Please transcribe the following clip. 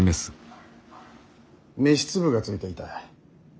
飯粒がついていた。